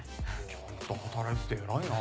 ちゃんと働いてて偉いな。